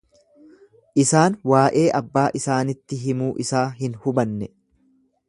Isaan waa'ee abbaa isaanitti himuu isaa hin hubanne.